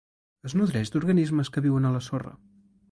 Es nodreixen d'organismes que viuen a la sorra.